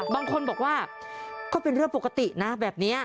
บางคนบอกว่าก็เป็นเรื่องปกตินะแบบนี้